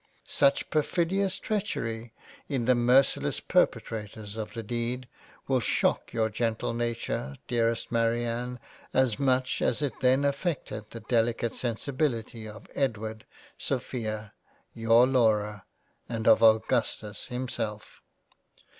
Such per fidious Treachery in the merciless perpetrators of the Deed will shock your gentle nature Dearest Marianne as much as it then affected the Delicate sensibility of Edward, Sophia, your Laura, and of Augustus himself.